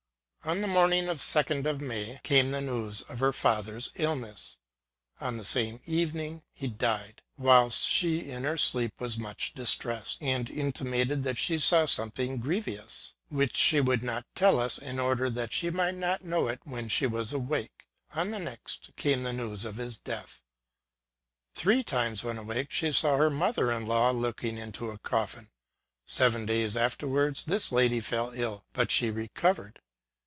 On the morning of the 2d of May came the news of her father's illness ; on the same evening he died ; whilst she in her sleep was much distressed, and intimated that she saw something grievous, which she would not tell us, in order that she might not know it when she was awake ; on the next came the news of his death. Three times when awake she saw her mother in law looking into a coffin : seven days afterwards this lady fell ill, but she recovered.